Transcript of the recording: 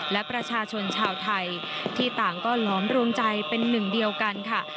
และประชาชนชาวไทยที่ต่างก็ล้อมรวมใจเป็นหนึ่งเดียวกันค่ะ